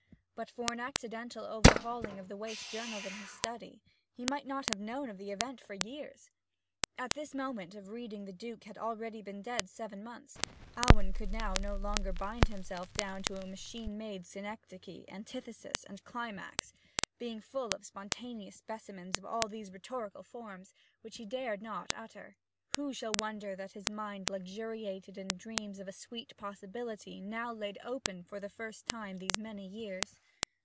But for an accidental overhauling of the waste journals in his study he might not have known of the event for years. At this moment of reading the Duke had already been dead seven months. Alwyn could now no longer bind himself down to machine made synecdoche, antithesis, and climax, being full of spontaneous specimens of all these rhetorical forms, which he dared not utter. Who shall wonder that his mind luxuriated in dreams of a sweet possibility now laid open for the first time these many years?